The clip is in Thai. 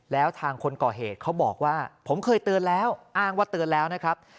แล้วทางคนก่อเหตุเขาบอกว่าผมเคยเตือนแล้วอ้างว่าเตือนแล้วนะครับ